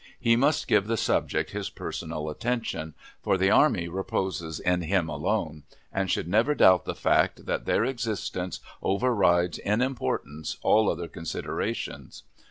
He must give the subject his personal attention, for the army reposes in him alone, and should never doubt the fact that their existence overrides in importance all other considerations.